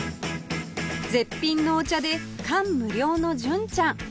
絶品のお茶で感無量の純ちゃん